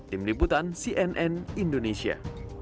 tim liputan cnn indonesia